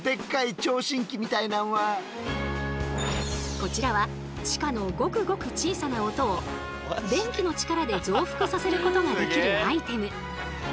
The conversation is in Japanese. こちらは地下のごくごく小さな音を電気の力で増幅させることができるアイテム。